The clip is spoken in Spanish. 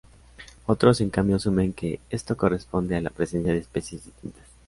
Otros, en cambio, asumen que esto corresponde a la presencia de especies distintas.